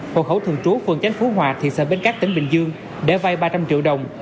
hộ khẩu thường trú phường chánh phú hòa thị xã bến cát tỉnh bình dương để vay ba trăm linh triệu đồng